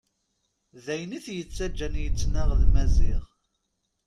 D ayen it-yettaǧǧan yettnaɣ d Maziɣ.